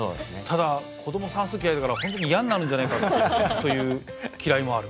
ただ子ども算数嫌いだから本当にいやになるんじゃないかというきらいもある。